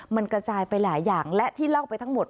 มันกระจายไปหลายอย่างและที่เล่าไปทั้งหมด